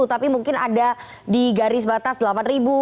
tapi mungkin ada di garis batas rp delapan